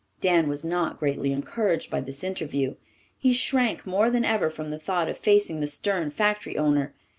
Dan was not greatly encouraged by this interview. He shrank more than ever from the thought of facing the stern factory owner.